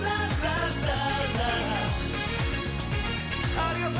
ありがとう。